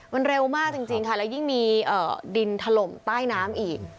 มันเร็วมากจริงค่ะแล้วยิ่งมีดินถล่มใต้น้ำอีก